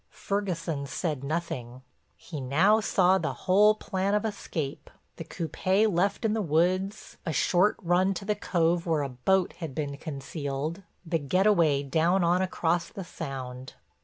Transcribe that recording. Ferguson said nothing; he now saw the whole plan of escape—the coupé left in the woods, a short run to the cove where a boat had been concealed, the get away down on across the Sound.